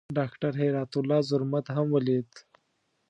ډاکټر هرات الله زرمت هم ولید.